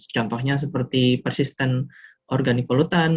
contohnya seperti persisten organik polutan